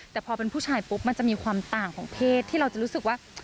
แต่พอเป็นผู้ชายปุ๊บมันจะมีความต่างของเพศที่เราจะรู้สึกว่า